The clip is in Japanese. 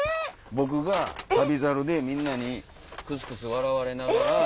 僕が『旅猿』でみんなにクスクス笑われながら。